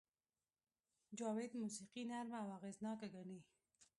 جاوید موسیقي نرمه او اغېزناکه ګڼي